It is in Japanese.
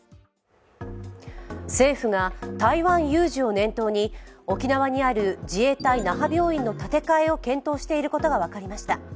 政府が台湾有事を念頭に沖縄にある自衛隊・那覇病院の建て替えを検討していることが分かりました。